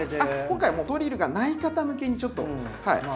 今回もうドリルがない方むけにちょっと。